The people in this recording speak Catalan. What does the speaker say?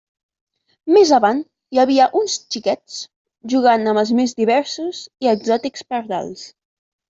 Més avant hi havia uns xiquets jugant amb els més diversos i exòtics pardals.